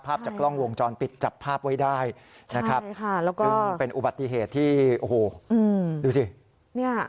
ภาพจากกล้องวงจรปิดจับภาพไว้ได้ซึ่งเป็นอุบัติเหตุที่โอ้โหดูสิ